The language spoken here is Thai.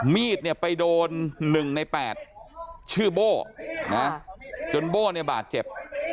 มีดเนี่ยไปโดน๑ใน๘ชื่อโบ้จนโบ้เนี่ยบาดเจ็บ